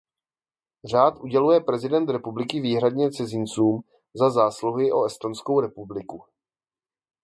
Řád uděluje prezident republiky výhradně cizincům za zásluhy o Estonskou republiku.